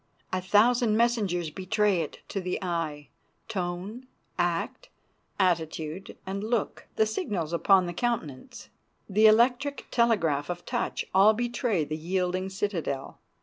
A thousand messengers betray it to the eye. Tone, act, attitude, and look, the signals upon the countenance, the electric telegraph of touch, all betray the yielding citadel.